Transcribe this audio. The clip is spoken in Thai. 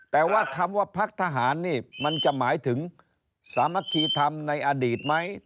แต่ว่าคำว่าพักทหารนี่มันจะหมายถึงสามัคคีธรรมในอดีตไหม